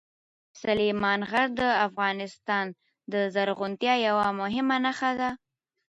سلیمان غر د افغانستان د زرغونتیا یوه مهمه نښه ده.